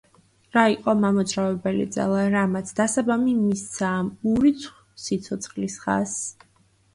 რა იყო მამოძრავებელი ძალა, რამაც დასაბამი მისცა ამ ურიცხვ სიცოცხლის ხაზს?